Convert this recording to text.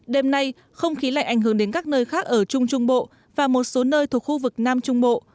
đêm nay không khí lạnh ảnh hưởng đến các nơi khác ở trung trung bộ và một số nơi thuộc khu vực nam trung bộ